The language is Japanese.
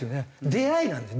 出会いなんです。